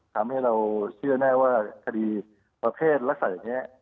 ทำให้เราเชื่อแน่ว่าคดีประเภทลักษณะอย่างนี้